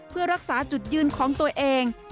เพื่อรักษาจุดยืนของตัวเอง